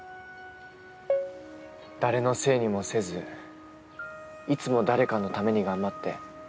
誰のせいにもせずいつも誰かのために頑張って。